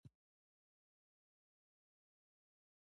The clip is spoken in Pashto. هندوکش د افغانانو د ګټورتیا برخه ده.